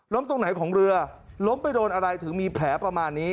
ตรงไหนของเรือล้มไปโดนอะไรถึงมีแผลประมาณนี้